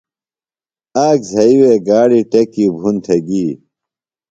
آک زھئی وےگاڑیۡ ٹیکی بُھن تھےۡ گی۔